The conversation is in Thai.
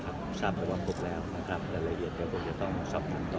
ผมยังไม่ทราบเลยครับทราบก็ว่าพบแล้วนะครับแต่รายละเอียดผมจะต้องทราบกันต่อไปกันต่อไปนะครับ